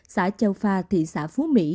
xã châu pha thị xã phú mỹ